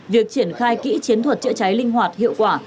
việc triển khai kỹ chiến thuật chữa cháy linh hoạt hiệu quả